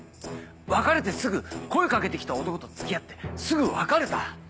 「別れてすぐ声掛けてきた男と付き合ってすぐ別れた」？